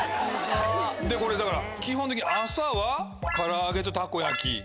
これだから基本的に朝はからあげとたこ焼き。